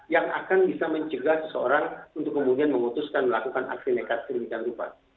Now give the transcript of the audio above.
yang akan bisa mencegah seseorang untuk kemudian memutuskan melakukan aksi nekat sedemikian rupa